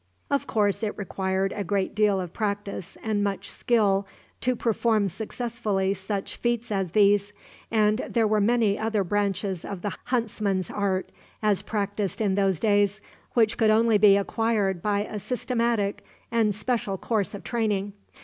Of course, it required a great deal of practice and much skill to perform successfully such feats as these; and there were many other branches of the huntsman's art, as practiced in those days, which could only be acquired by a systematic and special course of training.